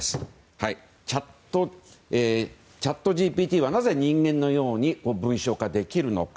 チャットＧＰＴはなぜ人間のように文章化できるのか。